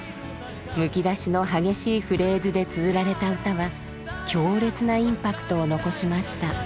むき出しの激しいフレーズでつづられた歌は強烈なインパクトを残しました。